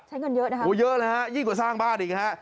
เงินเยอะนะคะโอ้เยอะเลยฮะยิ่งกว่าสร้างบ้านอีกฮะ